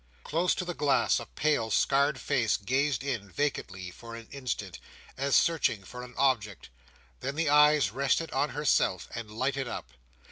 Close to the glass, a pale scared face gazed in; vacantly, for an instant, as searching for an object; then the eyes rested on herself, and lighted up.